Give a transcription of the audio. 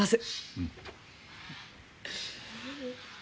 うん。